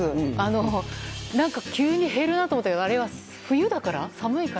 急に減るなと思ったけどあれは冬だから？